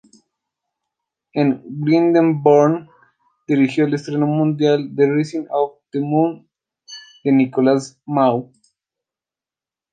En Glyndebourne, dirigió el estreno mundial de Rising of the Moon de Nicholas Maw".